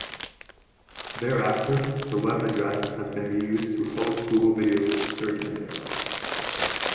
Thereafter, the web address has been reused to host Google Videos search engine.